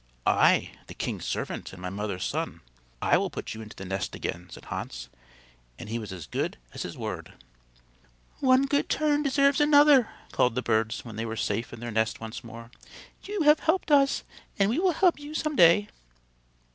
"I, the king's servant and my mother's son; I will put you into the nest again," said Hans, and he was as good as his word. "One good turn deserves another," called the birds when they were safe in their nest once more. "You have helped us, and we will help you some day."